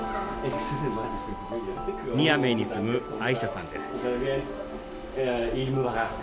ニアメに住むアイシャさんです